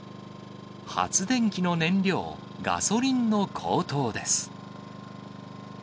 発電機の燃料、ガソリンの高騰です。